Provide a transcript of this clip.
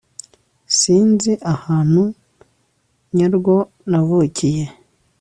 Sinzi ahantu nyarwo navukiye